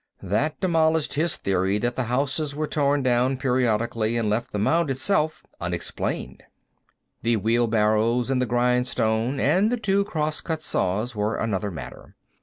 That demolished his theory that the houses were torn down periodically, and left the mound itself unexplained. The wheelbarrows and the grindstone and the two crosscut saws were another matter.